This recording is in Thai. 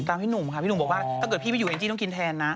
ตามพี่หนุ่มพี่หนุ่มบอกว่าต้องเกิดพี่ไปอยู่ในจีนต้องกินแทนน้า